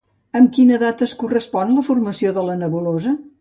Amb quina data es correspon la formació de la nebulosa?